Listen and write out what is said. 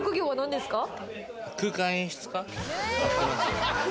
空間演出家。